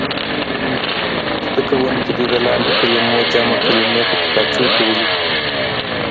زده کوونکي دې د لاندې کلمو جمع کلمې په کتابچو کې ولیکي.